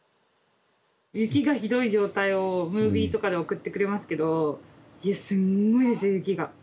雪がひどい状態をムービーとかで送ってくれますけどいやすんごいですよ雪が。